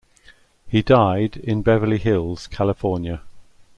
He died in Beverly Hills, California.